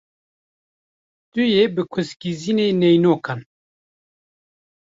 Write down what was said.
Tu yê bikûzkizînî neynokan.